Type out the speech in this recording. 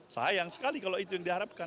sayang sekali kalau itu yang diharapkan